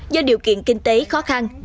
do điều kiện kinh tế khó khăn